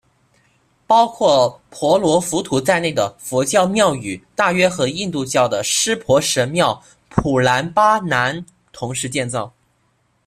包括婆罗浮屠在内的佛教庙宇大约和印度教的湿婆神庙普兰巴南同时建造。